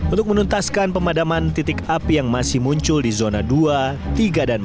untuk menuntaskan pemadaman titik api yang masih muncul di zona dua tiga dan empat